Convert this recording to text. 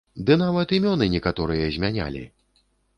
Ды нават імёны некаторыя змянялі!